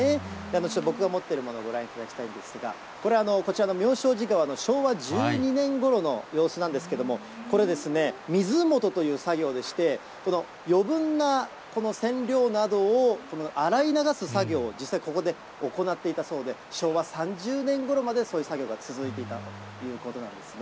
ちょっと僕が持っているもの、ご覧いただきたいんですが、これ、こちらの妙正寺川の昭和１２年ごろの様子なんですけども、これ、水元という作業でして、この余分な染料などを洗い流す作業を実際ここで行っていたそうで、昭和３０年ごろまで、そういう作業が続いていたということなんですね。